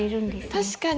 あ確かに。